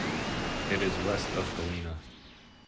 It is west of Galena.